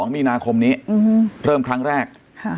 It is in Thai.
๒มีนาคมนี้เริ่มครั้งแรก